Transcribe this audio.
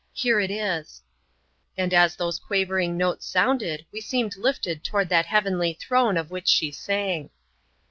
Here it is"; and as those quavering notes sounded we seemed lifted toward that heavenly Throne of which she sang.